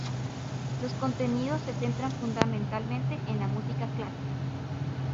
Los contenidos se centran fundamentalmente en la música clásica.